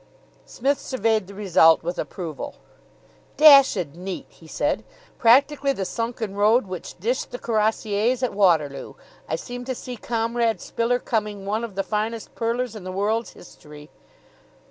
Psmith surveyed the result with approval. "Dashed neat!" he said. "Practically the sunken road which dished the Cuirassiers at Waterloo. I seem to see Comrade Spiller coming one of the finest purlers in the world's history."